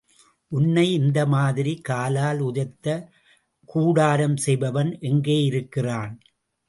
உன்னை இந்த மாதிரி காலால் உதைத்து, கூடாரம் செய்பவன் எங்கேயிருக்கிறான்?